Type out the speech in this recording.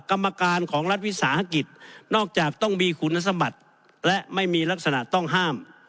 กรรมการของรัฐวิสาหกิจนอกจากต้องมีคุณสมบัติและไม่มีลักษณะต้องห้าม